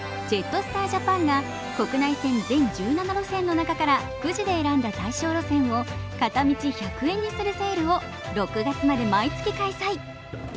ジェットスター・ジャパンが国内線全１７路線の中からくじで選んだ対象路線を片道１００円にするセールを６月まで毎月開催。